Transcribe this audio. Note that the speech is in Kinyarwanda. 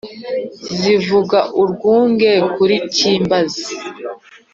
zivuga urwunge kuri cyimbazi